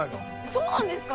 そうなんですか？